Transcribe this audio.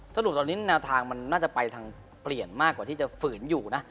สรุปตอนนี้แนวทางมันน่าจะไปทางเปลี่ยนมากกว่าที่จะฝืนอยู่นะ